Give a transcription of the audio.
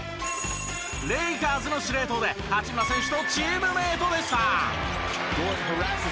レイカーズの司令塔で八村選手とチームメイトでした。